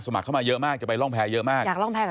สมัครเข้ามาเยอะมากจะไปร่องแพรเยอะมาก